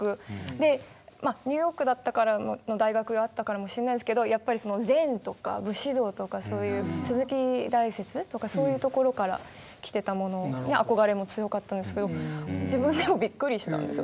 ニューヨークの大学だったからかもしれないんですけどやっぱり禅とか武士道とか鈴木大拙とかそういうところから来てたものに憧れも強かったんですけど自分でもびっくりしたんですよ。